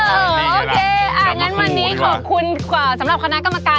โอเคอ่ะงั้นวันนี้ขอบคุณกว่าสำหรับคณะกรรมการ